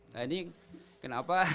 nah ini kenapa